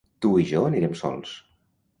Tu i jo anirem sols.